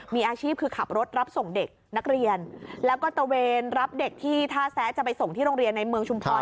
มีอาชีพคือขับรถรับส่งเด็กนักเรียนแล้วก็ตะเวนรับเด็กที่ท่าแซะจะไปส่งที่โรงเรียนในเมืองชุมพร